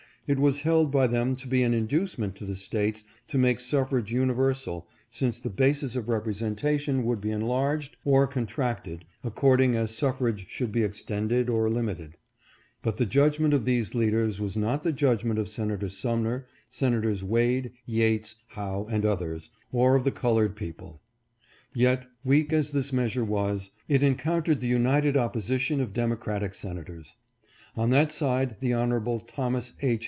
It was held by them to be an inducement to the States to make suffrage universal, since the basis of representation would be enlarged or contracted according as suffrage should be extended or limited ; but the judgment of these leaders was not the judgment of Senator Sumner, Senators Wade, Yates, Howe and others, or of the colored people. Yet, weak as this measure was, it encountered the united opposition of democratic senators. On that side the Hon. Thomas H.